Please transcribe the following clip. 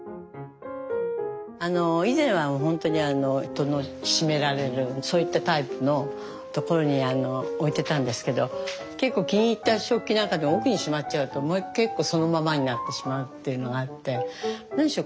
以前はほんとに戸の閉められるそういったタイプのところに置いてたんですけど結構気に入った食器なんか奥にしまっちゃうともう結構そのままになってしまうっていうのがあって何しろ